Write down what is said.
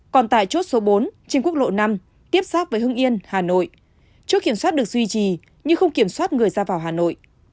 còn tại chốt số bốn trên quốc lộ năm tiếp xác với hưng yên hà nội chốt kiểm soát được duy trì nhưng không kiểm soát người ra vào hà nội